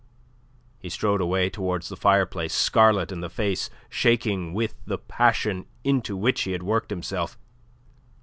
He strode away towards the fireplace, scarlet in the face, shaking with the passion into which he had worked himself.